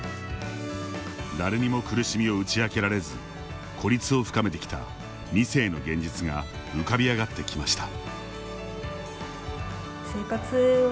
誰にも苦しみを打ち明けられず孤立を深めてきた２世の現実が浮かび上がってきました。